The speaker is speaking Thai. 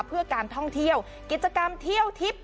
เพื่อการท่องเที่ยวกิจกรรมเที่ยวทิพย์